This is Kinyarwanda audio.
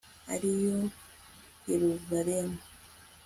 ari yo yeruzalemu